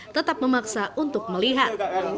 tetap memaksa untuk melihat